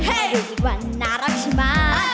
ดูอีกวันน่ารักใช่ไหม